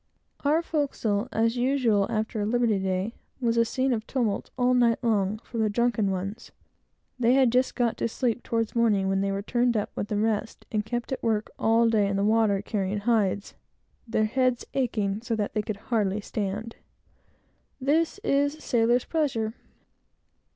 Our forecastle, as usual after a liberty day, was a scene of tumult all night long, from the drunken ones. They had just got to sleep toward morning, when they were turned up with the rest, and kept at work all day in the water, carrying hides, their heads aching so that they could hardly stand. This is sailor's pleasure.